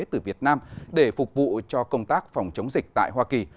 từ việt nam để phục vụ cho công tác phòng chống dịch tại hoa kỳ